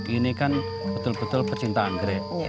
ini kan betul betul pecinta anggrek